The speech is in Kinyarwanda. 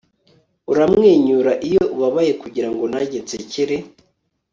uramwenyura iyo ubabaye kugirango nanjye nsekere